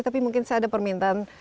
tapi mungkin saya ada permintaan